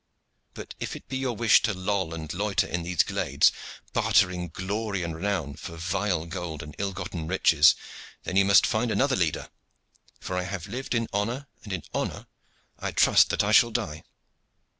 But if it be your wish to loll and loiter in these glades, bartering glory and renown for vile gold and ill gotten riches, then ye must find another leader; for I have lived in honor, and in honor I trust that I shall die.